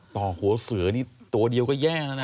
ต่อหัวเสือนี่ตัวเดียวก็แย่แล้วนะ